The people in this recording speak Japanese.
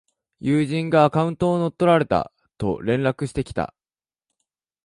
友人がアカウントを乗っ取られたと連絡してきた